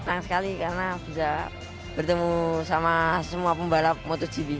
senang sekali karena bisa bertemu sama semua pembalap motogp